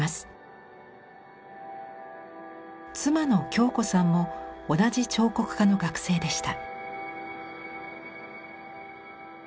妻の恭子さんも同じ彫刻科の学生でした。